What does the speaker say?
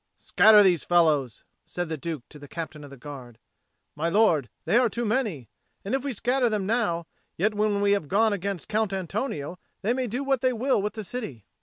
"Scatter these fellows!" said the Duke to the Captain of the Guard. "My lord, they are too many. And if we scatter them now, yet when we have gone against Count Antonio, they may do what they will with the city."